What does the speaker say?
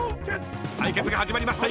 ［対決が始まりました。